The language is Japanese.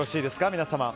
皆様。